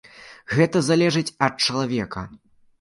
Гэта залежыць ад чалавека.